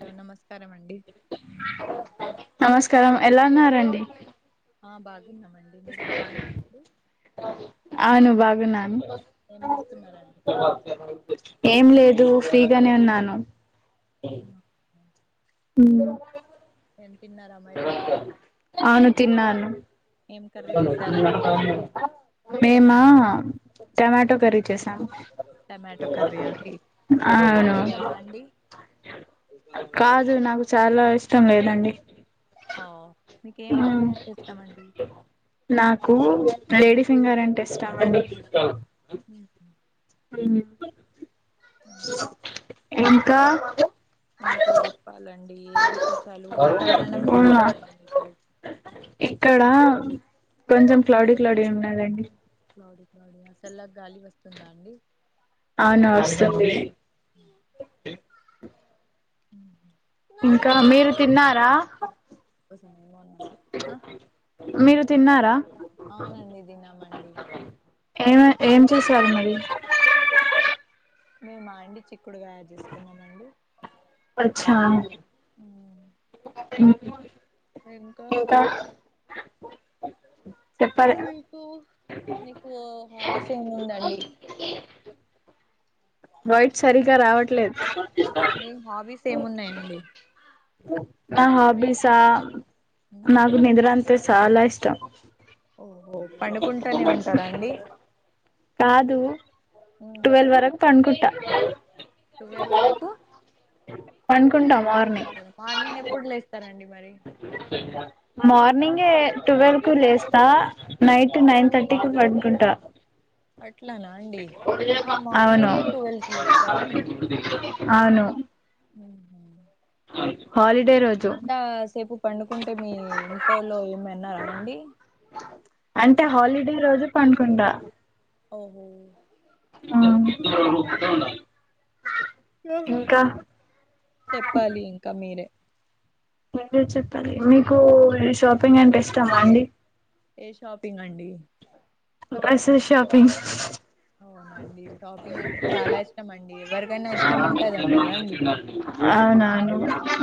Hello నమస్కారం అండి నమస్కారం ఎలా ఉన్నారండి. ఆ బాగున్నామండి మీరు బాగున్నపుడు అవును బాగున్నాను. ఏం చేస్తున్నారండి ఏం లేదు ఫ్రీగానే ఉన్నాను. ఉ హూ ఊ తిన్నారా మరి అను తిన్నాను. ఏం కర్రీ చేసారండి మేమా టమాటో కర్రి చేసాం టమాటో కర్రీ అండి మీకు ఆవును ఇష్టమా అండి కాదు నాకు చాలా ఇష్టం లేదండి. ఓ మీ ఏం మ్మ్. కర్రీ అంటే ఇష్టమండి. నాకు లేడీ ఫింగర్ అంటే ఇష్టమండి. ఊహు అయినా ఇంకా ఇంకా చెప్పాలండి ఏ విశేషాలు వాతావరణం ఎట్లా అవునా ఉందండి మీ సైడ్. ఆ కొంచెం క్లౌడీ క్లౌడీ ఉన్నదండి. ఊహు చల్ల గాలి వస్తుందా అండి. అవును వస్తుంది ఉ ఊహు ఇంకా మీరు తిన్నారా. ఒ సేమోనంటి. మీరు తిన్నారా. తిన్నామండి ఆ ఏం చూసారు మీరు మేమ అండి చిక్కుడుగాయా చేసుకున్నం అండి అచ్చా నాకు ఇంకా చెప్పాలి మీకు నీకు హాబీస్ ఏముందండి. వాయిట్ సరిగా రావట్లేద్. మీ హాబీస్ ఏమున్నాయండి. నా హాబీసా నాకు నిద్ర అంతే సాలా ఇష్టం. ఓహో పండుకుంటానే ఉంటారా అండి. కాదు ట్వెల్వ్ వరకు పంకుట్ట టువెల్వ్ వరకు పనుకుంటా మార్నింగ్ పండుకుంటార మార్నింగ్ ఎప్పుడు లేస్తారండి మరి. మార్నింగే ట్వెల్వ్ కు లేస్తా. నైట్ నైన్ థర్టీకి పడుకుంటా. అట్లనా అండి మీరు అవును మార్నింగే టువెల్వ్ కి లేస్తారా అండి. అవును ఊహు హాలిడే రోజు అంతా సేపు పండుకుంటే మీ ఇంట్లోలు ఏమనరా అండి. అంటే హాలిడే రోజు పండుకుంట ఓహో ఆ న ఇంకా చెప్పాలి ఇంకా మీరే మీరే చెప్పాలి మీకు షాపింగ్ అంటే ఇష్టమా అండి ఏ షాపింగ్ అండి బసల్ షాపింగ్ అవునండి షాపింగ్ అంటే చాలా ఇష్టం అండి ఎవరికైనా ఇష్టం ఉంటది కదా అండి అవునా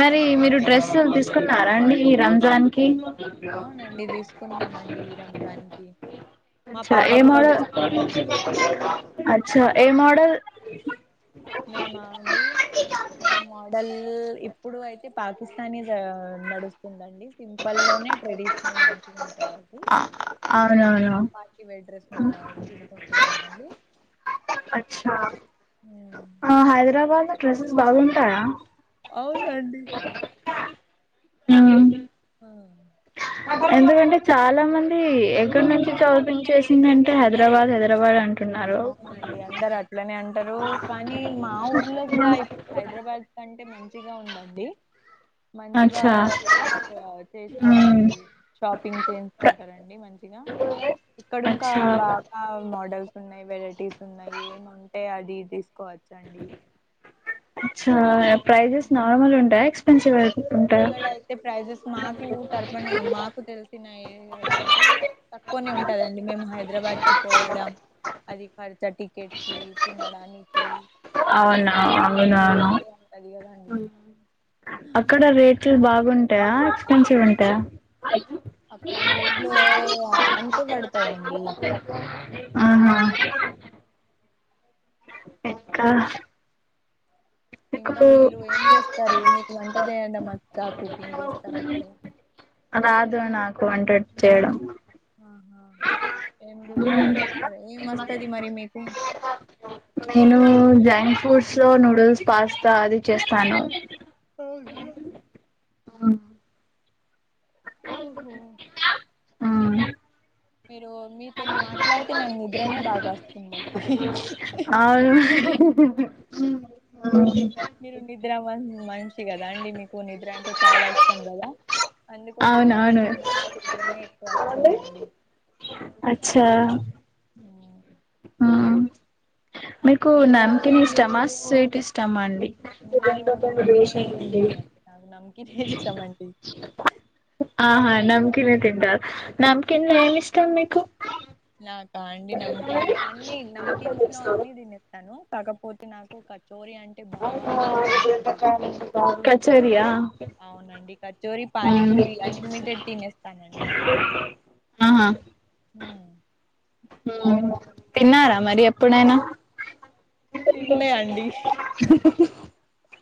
మరి మీరు డ్రెస్ తీ కున్నారండి ఈ రంజాన్కి అవునండి తీసుకున్నామండి ఈ రంగానికి అచ్చ ఏ మోడల్ అచ్చ ఏ మోడల్ మేమా అండి మేము మోడల్ ఇప్పుడు అయితే పాకిస్తానీ నడుస్తుందండి సింపుల్ లోనే ట్రెడిషనల్ మంచిగుంటదండి అవునవును పార్టీవేర్ డ్రెస్న తీసుకుంటున్నానండి అచ్చా ఉమ్, హైదరాబాద్లో డ్రెస్సెస్ బాగుంటాయా అవునండి ఆ ఎందుకంటే చాలా మంది ఎక్కడి నుంచి షాపింగ్ చేసిందంటే హైదరాబాద్ హైదరాబాద్ అన్ అవునండి అందరు అట్లనే అంటారు కానీ మా ఊర్లో కూడా ఇప్పుడు హైదరాబాద్ కంటే మంచిగా ఉందండి మంచిగా అచ్చా చేస్కో మ్మ్ చేసుకోండి షాప్ రింగ్ ప్ర చేయించుకుంటారండి మంచిగా ఇక్కడ ఇంకా అచ్చా బాగా మోడల్స్ ఉన్నాయి వెరైటీస్ ఉన్నాయి ఏమింటే అది తీసుకోవచ్చు అండి అచ్చ ప్రైజెస్ నార్మల్ ఉంటయ ఎక్స్పెన్సివ్ ఉంటాయా ఇక్కడయితే ప్రైజెస్ మాకు తరపన మాకు తెలిసిన ఉంటే క్కువనే ఉంటదండి మేము హైదరాబాద్కి పోవడం అది హర్చ టికెట్కి తినడానికి అవునా అది ఇది అవునవును ఒకటే ఉంటది కదండి అక్కడ రేట్ ట్లు బాగుంటాయా ఎక్స్పెన్సివ్ ఉంటాయా అక్కడ రేట్లు అంతే పడతాయండి ఆహా ఇంకా ఇంకా మీకు మీరు ఏం చేస్తారు మీకు వంట చేయడ మోచ్చా కుకింగ్ చేస్తార మీరు రాదు నాకు వంట చేయడం ఆహా ఏం కుకింగ్ మ్మ్ చేస్ ఏం వస్తది మరి మీకు నేను జంక్ ఫుడ్స్ లో నూడిల్స్ పాస్తా అది చేస్తాను అవున ఓహో ఆ మీరు మీతోని మాట్లాడితే నాకు నిద్రనే బాగా వస్తుందండి అవున మీరు నిద్ర మంచి కదా అండి మీకు నిద్ర అంటే చాలా ఇష్టం కదా అందుకోసం అవునవును నాకు నిద్రనే ఎక్కువ వస్తుందండి అచ్చా మీకు ఇంకా నమ్కిన్ ఇష్టమా స్వీట్ ఇష్టమా అండి నేను నమ్కినే తింటానాండి నాకు నమ్కినే ఇష్టం అండి ఆహా నమ్కినే తింటార నమ్కిన్ లో ఏమి ఇష్టం మీకు నాక అండి నమ్కీన్ లో అన్ని నమ్కిన్స్ లో అన్ని తినెత్తాను కాకపోతే నాకు ఒక కచేరియా అవునండి కచోరీ మ్మ్ పానీపూరి అన్లిమిటెడ్ తినేస్తానండి ఆహా హ్మ్. మ్మ్ తిన్నారా మరి ఎప్పుడైనా తినలే అండి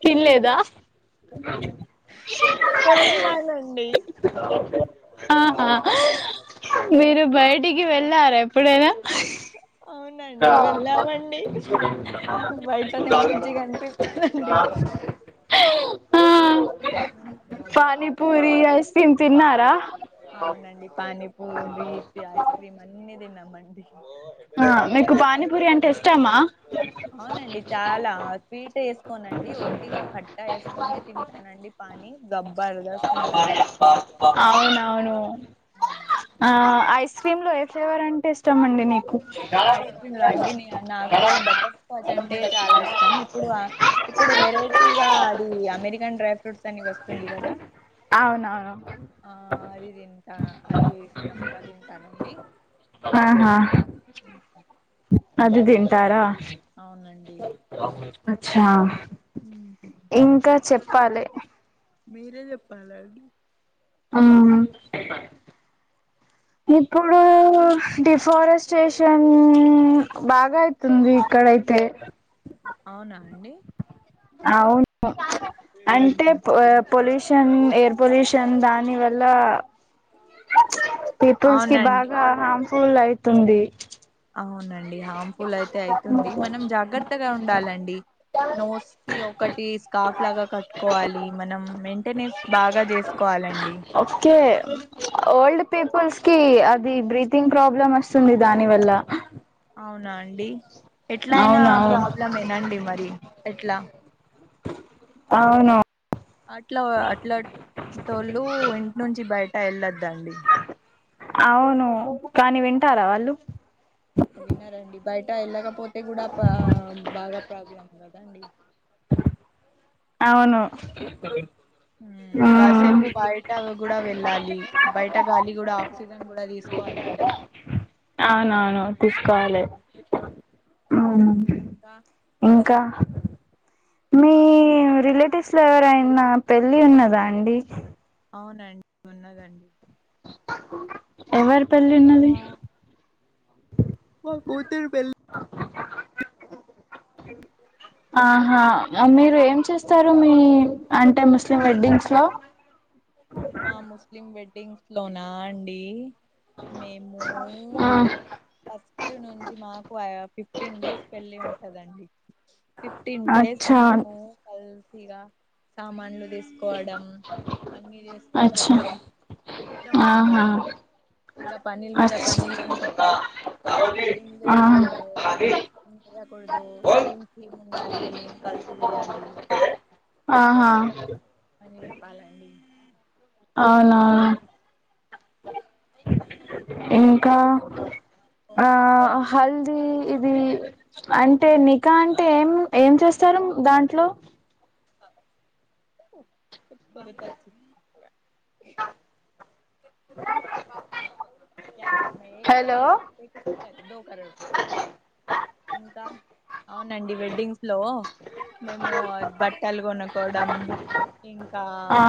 తిన్లేదా [inaudible] ఎక్కువ తిన్నానండి ఆహా మీరు బయిటికి వెళ్ళార ఎప్పుడైనా అవునండి ఆహ [inaudible] అది వెళ్ళామండి మాకు బయటనే ఎంది మంచిగా అనిపిస్తదండి ఆ పనీ పూరి ఐస్ క్రీమ్ తిన్నారా అవునండి పానీపూరి ఇతి ఐస్ క్రీమ్ అన్ని తిన్నామండి అవున ఆ మీకు పానీపూరి అంటే ఇష్టమా అవునండి చాలా స్వీట్ వేసుకోనండి ఒట్టిగా కట్టా వేసుకొని తింటానండి పానీ డబ్బాడు [unintelligible] అవునవును ఆ ఐస్ క్రీమ్ లో ఏ ఫ్లేవర్ అంటే ఇష్టం అండి నీకు ఐస్ క్రీమ్ లో అండి నీ నాకు బటర్ స్కాచ్ అంటే చాలా ఇష్టం ఇప్పుడు ఇప్పుడు వెరైటీగా అది అమెరికన్ డ్రై ఫ్రూట్స్ అని వస్తుంది కదా అవునవును ఆ అది తింటా అది ఇష్టంగా తింటానండి ఆహా అది తింటారా అవునండి అచ్చా ఉహు పాలే మీరే చెప్పాలాండి ఆ ఇప్పుడు డిఫారెస్టేషన్ బాగా అయితుంది ఇక్క అదయితే అవునా అండి అవును అంటే ఉహు ఆ పొలిష్ షన్ ఎయిర్ పొల్యూషన్ దాని వల్ల పీపుల్స్ కి అవునండి బాగా హ్యండ్ పుల్ అయితుంది అవునండి హార్మ్ ఫుల్ అయితే అయితుంది మనం జాగ్రత్తగా ఉండాలండి నోస్ కి ఒకటి స్కార్ఫ్ లాగా కట్టుకోవాలి మనం మెయింటెనెన్స్ బాగా చేసుకోవాలి చెప్పలండి తే పీపుల్స్ కి అది బ్రీతింగ్ ప్రాబ్లం వస్తుంది దాని వల్ల అవునా అండి ఎట్లా అయినా అవునవును ప్రాబ్లం మే నండి మరి ఎట్లా అవునా అట్లా అట్లాంటోళ్ళు ఇంటి నుంచి బయట వెళ్ళొద్దండి అవును కానీ వింటారా వాళ్ళు విన్నారండి బయట వెళ్ళకపోతే కూడా బాగా ప్రాబ్లం అంగదా అండి అవును మ్మ్ కాసేపు బయట కూడా వెళ్ళాలి బయట గాలి కూడా ఆక్సిజన్ కూడా తీసుకోవాలండి అవునవును తీసుకోవాలి హ్మ్ ఇంకా కా చెప్పాలి ఇప్పుడు ఎవరైనా పెళ్ళి ఉన్నదా అండి అవునండి ఉన్నదండి ఎవరి పెళ్లి ఆ ఉన్నది మా కూతురు పెళ్లి ఆహా మీరు ఏం చేస్తారు మీ అంటే ముస్లిం వెడ్డింగ్స్ లో మా ముస్లిం వెడ్డింగ్స్ లోనా అండి మేము ఆ ఫస్ట్ నుంచి మాకు ఫిఫ్టీన్ డేస్ పెళ్లి ఉంటదండి ఫిఫ్టీన్ డే చేస్తు అచ్చా మేము కలిసిగా సామాన్లు తీసుకోవడం అన్నీ అచ్చా చేసుకోవడం ఇష్టము ఉందా ఆహా ఇకా పనీర్ మీద అచ్ పనీల్ ఏం ఆ చేయాలో చేయాకూడదు ఏం థీమ్మ్ ఉండాలి ఏం కలిసి చేయాలి ఆహా పాలండి అవునా ఇంకా ఆ హల్ది ఇది అంటే నికా అంటే ఏం ఏం చేస్తారు దాంట్లో [inaudible] [inaudible] హలో ఇంకా అవునండి వెడ్డింగ్స్ లో మేము బట్ ట్టలు కొనుకోవడం ఇంకా ఆ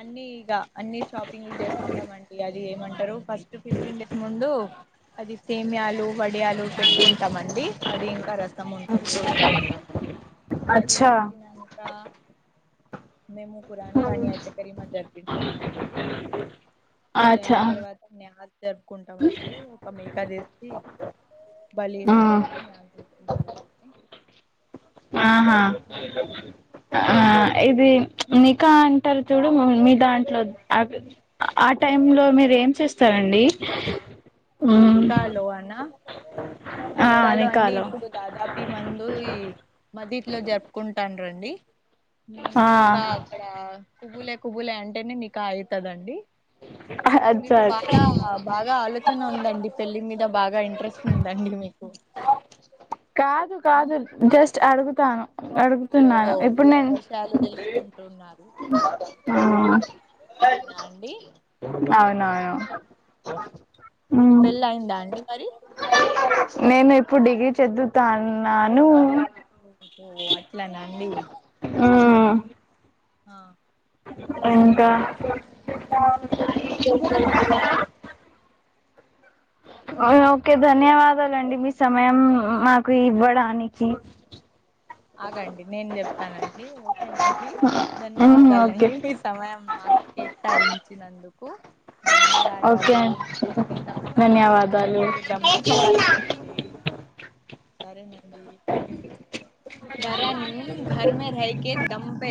అన్ని ఇక అన్ని షాపింగ్లు చేసుకుంటామండి అది ఏమంటారు ఫస్ట్ ఫిఫ్టీన్ డేస్ ముందు అది సేమీయాలు వడియాలు పెట్టుకుంటాం అండి అది ఇంకా రా ఉంటంది ఒకటి అది అచ్చా పెట్టినాంకా మేము కుఖరాన్ ఖానీ అయితే కరీమా జరిపించుకుంటామండి అది అయిన అచ్చా తర్వాత నేయజ్ జరుపుకుంటాం అది ఒక మే కదేసి బలి ఆ ఇస్తామండి ఆహా ఆ ఇది ఇంకా అంటారు చూడు మీ దాం అ ఆ టైమ్ లో మీరు ఏం చేస్తారండి నిఖా లోనా నికాలో అండి ఇప్పుడు దాదాపు మందు ఈ మజిత్లో జరుపుకుంటాను రండి ఆ నిఖా అక్కడ కుబులే కుబులే అంటేనే నీకు అయితదండి అచ్చ నీకు బాల బాగా ఆలోచన ఉంది పెళ్ల్లి మీద బాగా ఇంట్రెస్ట్ ఉందండి మీకు కాదు ఉం? కాదు జస్ట్ అడుగుతాను తున్నాను ఓహో ఇప్పుడు వి- నేను విషయాలు తెలుసుకుంటున్నారు అవునా అండి అవునవును మీ పెళ్ళి అయిందా అండి మరి నేను ఇప్పుడు డిగ్రీ చద్దువుతున్నాను ఓహో అట్లానండి ఆ ఆ ఇంకా లండి మీ సమయం మాకు ఇవ్వడానికి ఆగండి నేను చెప్తానండి ఓకేనండి ధన్యవాదాలు అండి ఓకే మీ సమయం మా కేటాయించినందుకు ఓకే ధన్యవాదాలు మీ సమయం మాకు ధన్యవాదాలు ఇచ్చినందుకు ధన్యవాదాలండి చరాఘరమ రక దమ్ ప [unintelligible]